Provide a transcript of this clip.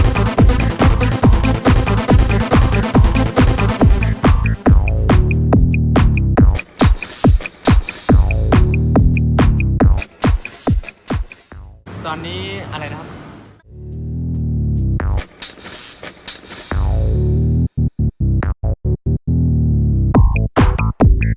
ตอนนี้อะไรนะครับ